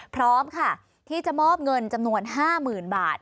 พร้อมค่ะที่จะมอบเงินจำนวน๕๐๐๐บาท